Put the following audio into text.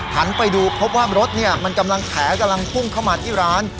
หันไปดูพบว่ารถมันกำลังแผลกำลังพุ่งเข้ามาที่ร้าน